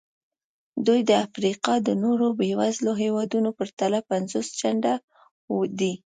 دوی د افریقا د نورو بېوزلو هېوادونو په پرتله پنځوس چنده دي.